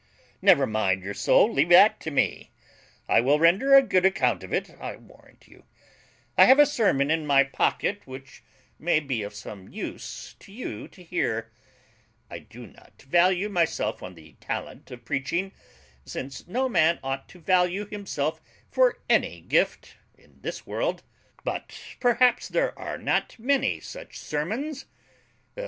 Never mind your soul leave that to me; I will render a good account of it, I warrant you. I have a sermon in my pocket which may be of some use to you to hear. I do not value myself on the talent of preaching, since no man ought to value himself for any gift in this world. But perhaps there are not many such sermons.